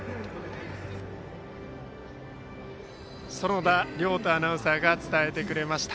園田遼斗アナウンサーが伝えてくれました。